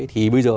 thì bây giờ